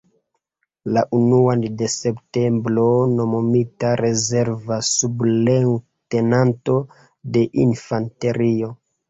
La unuan de septembro nomumita rezerva subleŭtenanto de infanterio.